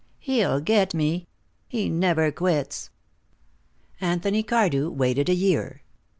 "He'll get me. He never quits." Anthony Cardew waited a year.